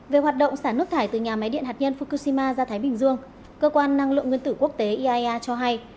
về hoạt động xả nước thải từ nhà máy điện hạt nhân fukushima ra thái bình dương cơ quan năng lượng nguyên tử quốc tế iaea cho hay